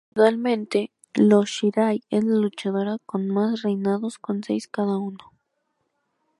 Individualmente, Io Shirai es la luchadora con más reinados con seis cada uno.